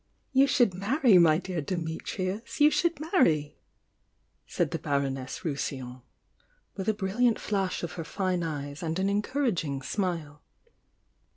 'You should marry, my dear Dimitrius!— you should marry!" said the Baroness RousiUon, with a brilliant flash of her fine eyes and an encouraeine smile.